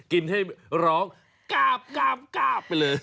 กินให้ร้องกราบไปเลย